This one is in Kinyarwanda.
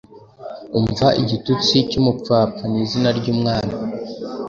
Umva igitutsi cy'umupfapfa; ni izina ry'umwami.